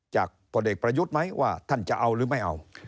พลเอกประยุทธ์ไหมว่าท่านจะเอาหรือไม่เอา